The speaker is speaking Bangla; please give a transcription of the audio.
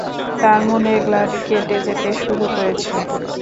তাঁর মনের গ্লানি কেটে যেতে শুরু করেছে।